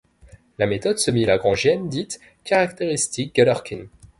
La méthode semi-lagrangienne dite Characteristic-Galerkin.